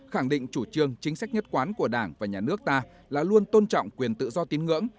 khẳng định chủ trương chính sách nhất quán của đảng và nhà nước ta là luôn tôn trọng quyền tự do tín ngưỡng